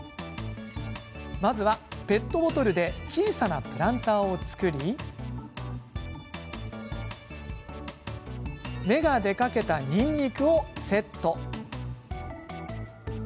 ペットボトルで小さなプランターを作り芽が出かけた、にんにくをセット。